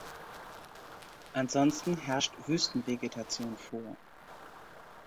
Ansonsten herrscht Wüstenvegetation vor.